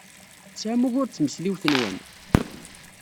Tesɛam ugur d tmesliwt-nwen?